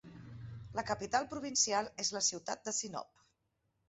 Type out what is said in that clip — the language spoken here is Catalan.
La capital provincial és la ciutat de Sinope.